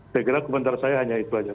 saya kira komentar saya hanya itu saja